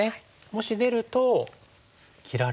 もし出ると切られて。